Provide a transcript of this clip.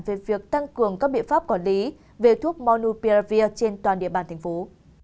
về việc tăng cường các biện pháp quản lý về thuốc monuperavir trên toàn địa bàn thành phố